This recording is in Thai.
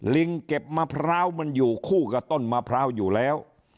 ลิงเก็บมะพร้าวมันอยู่คู่กับต้นมะพร้าวอยู่แล้ว